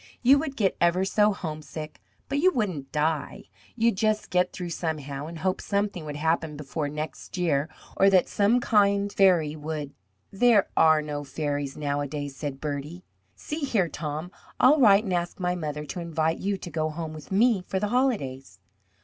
"You would get ever so homesick, but you wouldn't die. You would just get through somehow, and hope something would happen before next year, or that some kind fairy would " "There are no fairies nowadays," said Bertie. "See here, Tom, I'll write and ask my mother to invite you to go home with me for the holidays."